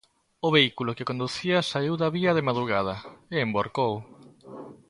O vehículo que conducía saíu da vía de madrugada, e envorcou.